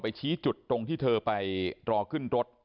ชี้จุดตรงที่เธอไปรอขึ้นรถ